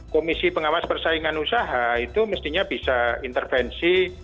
komisi pengawas persaingan usaha itu mestinya bisa intervensi